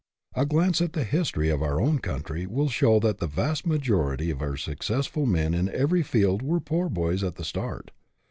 A glance at the history of our own country will show that the vast majority of our suc cessful men in every field were poor boys at the start.